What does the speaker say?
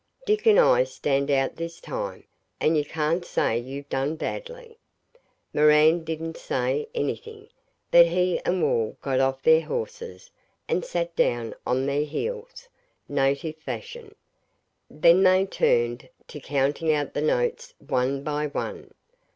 Dick and I stand out this time; and you can't say you've done badly.' Moran didn't say anything, but he and Wall got off their horses and sat down on their heels native fashion. Then they turned to, counting out the notes one by one.